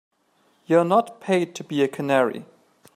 You're not paid to be a canary.